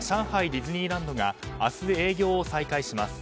ディズニーランドが明日、営業を再開します。